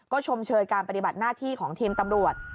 ชมเชยการปฏิบัติหน้าที่ของทีมตำรวจ